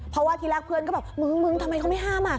เพราะว่าทีละเพื่อนก็บอกมึงทำไมเขาไม่ห้าม